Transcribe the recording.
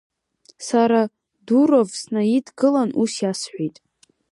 Сара Дуров снаидгылан ус иасҳәеит!